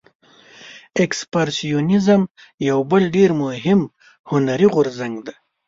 اکسپرسیونیزم یو بل ډیر مهم هنري غورځنګ دی.